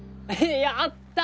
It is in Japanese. やった！